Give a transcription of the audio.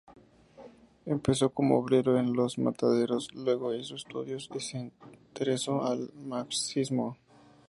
Empezó como obrero en los mataderos, luego hizo estudios y se interesó al marxismo.